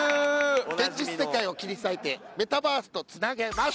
現実世界を切り裂いてメタバースと繋げます！